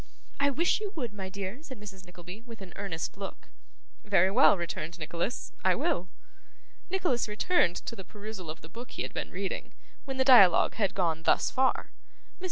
'I wish you would, my dear,' said Mrs. Nickleby, with an earnest look. 'Very well,' returned Nicholas. 'I will.' Nicholas returned to the perusal of the book he had been reading, when the dialogue had gone thus far. Mrs.